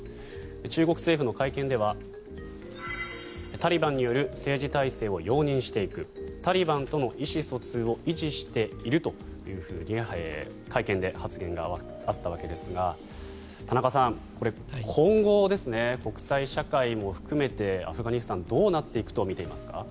中国政府の会見ではタリバンによる政治体制を容認していくタリバンとの意思疎通を維持しているというふうに会見で発言があったわけですが田中さん、これ今後ですね国際社会も含めてアフガニスタンどうなっていくとみていますか？